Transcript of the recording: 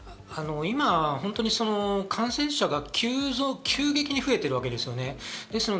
今、感染者が急増、急激に増えているわけです。